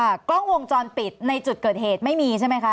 กล้องวงจรปิดในจุดเกิดเหตุไม่มีใช่ไหมคะ